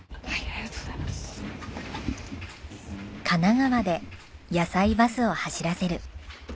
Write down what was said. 神奈川でやさいバスを走らせる。